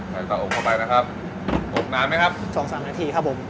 ให้พูให้มีสีกรอบ